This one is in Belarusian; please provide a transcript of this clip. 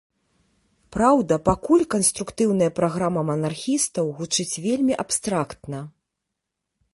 Праўда, пакуль канструктыўная праграма манархістаў гучыць вельмі абстрактна.